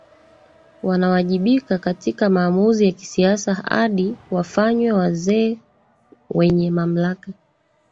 Wanawajibika katika maamuzi ya kisiasa hadi wafanywe wazee wenye mamlaka